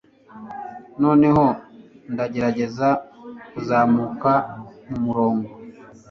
noneho ndagerageza kuzamuka mumurongo